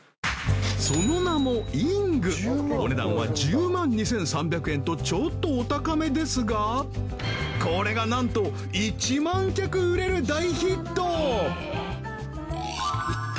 その名もｉｎｇお値段は１０万２３００円とちょっとお高めですがこれがなんと１万脚売れる大ヒット！